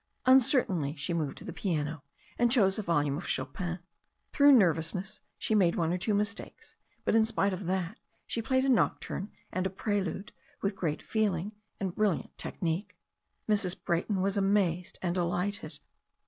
Uncertainly she moved to the piano, and chose a volume of Chopin. Through nervousness she made one or two mistakes, but in spite of that she played a nocturne and a prelude with great feeling and brilliant technique. Mrs. Brayton was amazed and delighted.